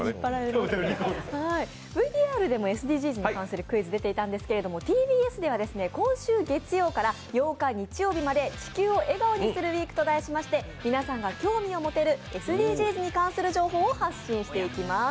ＶＴＲでもＳＤＧｓに関するクイズ出ていたんですけれども、ＴＢＳでは今週月曜から８日日曜まで「地球を笑顔にするＷＥＥＫ」と題しまして、皆さんが興味を持てるＳＤＧｓに関する情報を発信していきます。